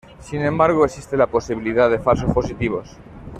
Sin embargo, existe la posibilidad de falsos positivos.